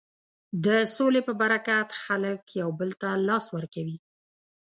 د سولې په برکت خلک یو بل ته لاس ورکوي.